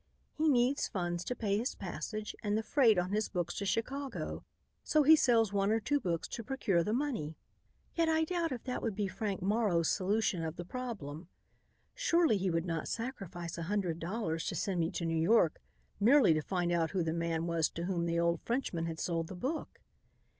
He needs funds to pay his passage and the freight on his books to Chicago, so he sells one or two books to procure the money. Yet I doubt if that would be Frank Morrow's solution of the problem. Surely he would not sacrifice a hundred dollars to send me to New York merely to find out who the man was to whom the old Frenchman had sold the book.